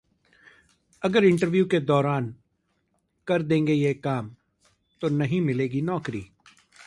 अगर इंटरव्यू के दौरान कर देंगे ये काम, तो नहीं मिलेगी नौकरी